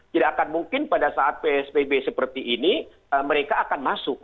tidak akan mungkin pada saat psbb seperti ini mereka akan masuk